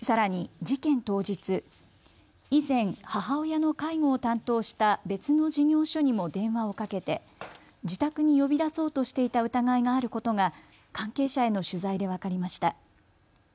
さらに、事件当日、以前、母親の介護を担当した別の事業所にも電話をかけて自宅に呼び出そうとしていた疑いがあることが関係者への取材で分かりました。